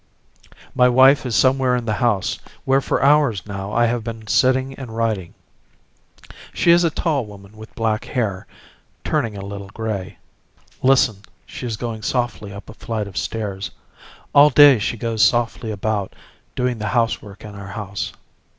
My wife is somewhere in this house where for hours now I have been sitting and writing. She is a tall woman with black hair, turning a little grey. Listen, she is going softly up a flight of stairs. All day she goes softly about, doing the housework in our house.